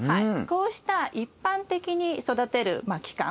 こうした一般的に育てる期間